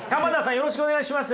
よろしくお願いします。